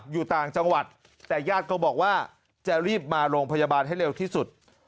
อยู่ต่างจังหวัดแต่ญาติก็บอกว่าจะรีบมาโรงพยาบาลให้เร็วที่สุด